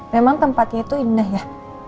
memang tempatnya itu indah ya